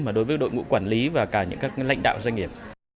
mà đối với đội ngũ quản lý và cả những các lãnh đạo doanh nghiệp